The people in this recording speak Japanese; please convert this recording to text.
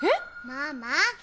ママ。